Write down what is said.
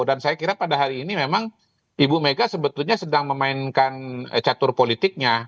dan saya kira pada hari ini memang ibu mega sebetulnya sedang memainkan catur politiknya